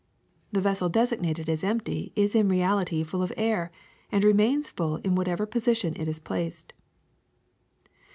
The vessel designated as empty is in reality full of air and remains full in whatever position it is placed.